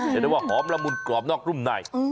เรียกได้ว่าหอมละมุนกรอบนอกนุ่มใน